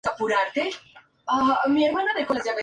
El fruto es un grupo de folículos.